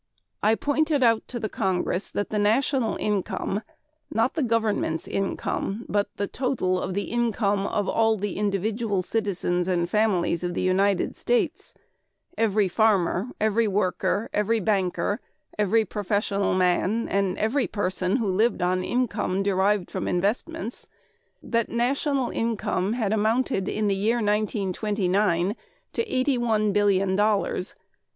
I pointed out to the Congress that the national income not the government's income but the total of the income of all the individual citizens and families of the United States every farmer, every worker, every banker, every professional man and every person who lived on income derived from investments that national income had amounted, in the year 1929, to eighty one billion dollars.